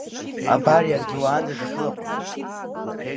Абар иаргьы уанӡа дахьылаҟәыз.